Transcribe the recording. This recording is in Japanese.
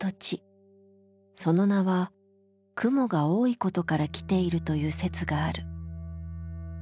その名は雲が多いことからきているという説がある。